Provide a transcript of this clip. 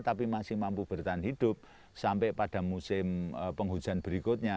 tapi masih mampu bertahan hidup sampai pada musim penghujan berikutnya